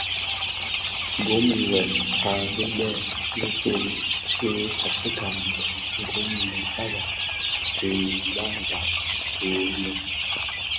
Gom i wuel u bèbèn bisu u teka a mpën gom I mësaga dhi mgbagban wu mefom.